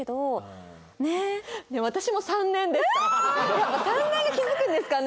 やっぱ３年が気づくんですかね？